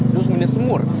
itu sebenarnya semur